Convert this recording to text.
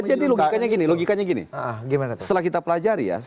jadi logikanya gini logikanya gini setelah kita pelajari ya